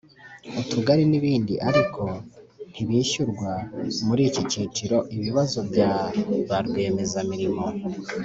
utugari n ibindi ariko ntibishyurwa Muri iki cyiciro ibibazo bya ba rwiyemezamirimo